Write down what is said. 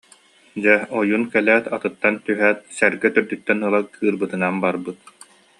Дьэ ойуун кэлээт, атыттан түһээт сэргэ төрдүттэн ыла кыырбытынан барбыт